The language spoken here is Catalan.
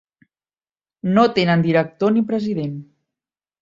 No tenen director ni president.